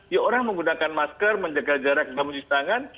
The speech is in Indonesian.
ya orang menggunakan masker menjaga jarak tidak mencintakan